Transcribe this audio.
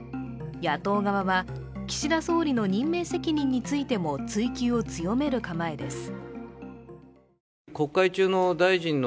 野党側は、岸田総理の任命責任についても追及を強める構えです。